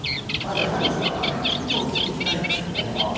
１分は切っていきたいですよね。